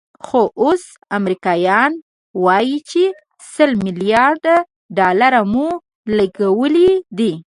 خو اوس امریکایان وایي چې سل ملیارده ډالر مو لګولي دي.